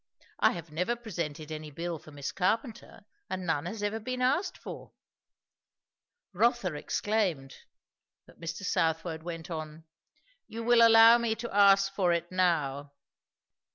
I have never presented any bill for Miss Carpenter, and none has ever been asked for." Rotha exclaimed, but Mr. Southwode went on "You will allow me to ask for it now."